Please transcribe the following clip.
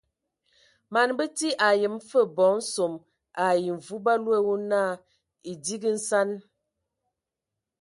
Man bəti ayəm fəg bɔ nsom ai mvu ba loe wo na edigi nsan.